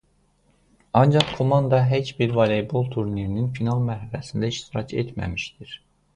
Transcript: Ancaq komanda heç bir voleybol turnirinin final mərhələsində iştirak etməmişdir.